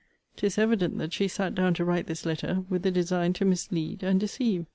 'Tis evident, that she sat down to write this letter with a design to mislead and deceive.